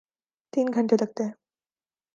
تین گھنٹے لگتے ہیں۔